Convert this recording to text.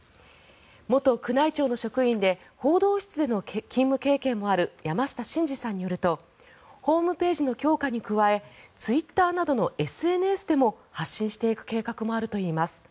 元宮内庁の職員で報道室の勤務経験もある山下晋司さんによるとホームページの強化に加えツイッターなどでのＳＮＳでも発信していく計画もあるといいます。